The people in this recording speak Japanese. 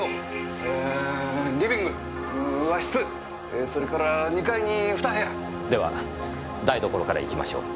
えそれから２階に２部屋！では台所からいきましょう。